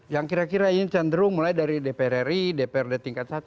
yang kira kira ini cenderung mulai dari dpr ri dprd tingkat satu